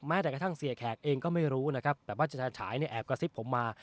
กระทั่งเสียแขกเองก็ไม่รู้นะครับแต่ว่าฉายเนี่ยแอบกระซิบผมมา